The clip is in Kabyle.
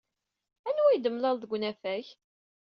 Anwa ay d-temlaled deg unafag?